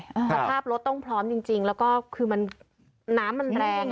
สภาพรถต้องพร้อมจริงแล้วก็คือมันน้ำมันแรง